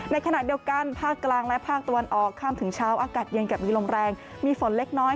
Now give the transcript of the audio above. ในขณะเดียวกันภาคกลางและภาคตะวันออกข้ามถึงเช้าอากาศเย็นกับมีลมแรงมีฝนเล็กน้อย